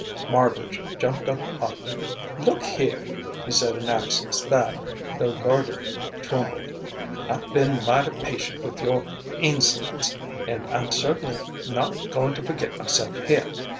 Marbridge jumped up hotly. "Look here!" he said in accents that, though guarded, trembled, "I've been mighty patient with your insolence, and I'm certainly not going to forget myself here.